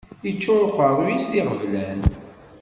Iččuṛ uqeṛṛuy-is d iɣeblan